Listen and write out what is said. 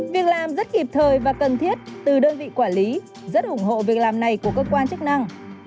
việc làm rất kịp thời và cần thiết từ đơn vị quản lý rất ủng hộ việc làm này của cơ quan chức năng